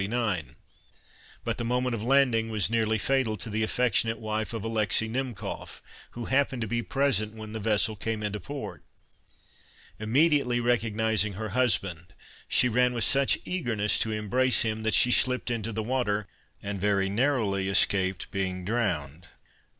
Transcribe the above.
But the moment of landing was nearly fatal to the affectionate wife of Alexis Himkof, who happened to be present when the vessel came into port. Immediately recognizing her husband, she ran with such eagerness to embrace him, that she slipped into the water, and very narrowly escaped being drowned.